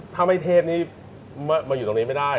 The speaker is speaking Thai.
ถ้าไม่เทพนี้มาอยู่ตรงนี้ไม่ได้